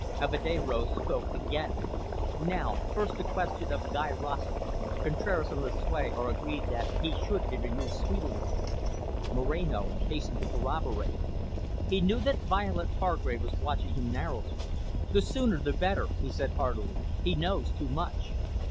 Alvedero spoke again. "Now, first, there is the question of Guy Rossett. Contraras and Lucue are agreed that he should be removed speedily." Moreno hastened to corroborate. He knew that Violet Hargrave was watching him narrowly. "The sooner the better," he said heartily. "He knows too much."